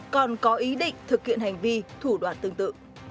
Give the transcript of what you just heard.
còn có ý định thực hiện hành vi thủ đoàn tương tự